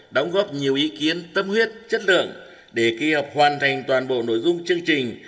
đóng góp nhiều ý kiến tâm huyết chất lượng để kỳ họp hoàn thành toàn bộ nội dung chương trình